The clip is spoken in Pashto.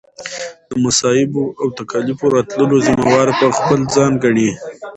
د مصائبو او تکاليفو راتللو ذمه وار به خپل ځان ګڼي